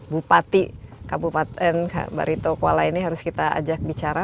bupati kabupaten baritokwala ini harus kita ajak bicara